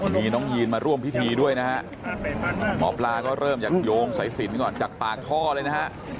มีน้องยีนมาร่วมพิธีด้วยนะฮะหมอปลาก็เริ่มจากโยงสายสินก่อนจากปากท่อเลยนะฮะ